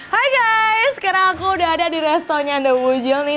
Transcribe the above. hai guys sekarang aku udah ada di restoran yang ada bujil nih